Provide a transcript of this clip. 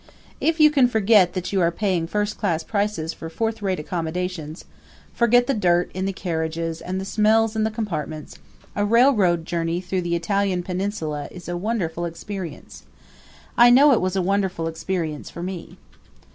If you can forget that you are paying first class prices for fourth rate accommodations forget the dirt in the carriages and the smells in the compartments a railroad journey through the Italian Peninsula is a wonderful experience. I know it was a wonderful experience for me.